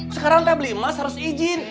sekarang saya beli emas harus izin